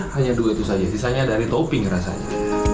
hanya dua itu saja sisanya dari topping rasanya